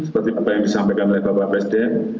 seperti apa yang disampaikan oleh bapak presiden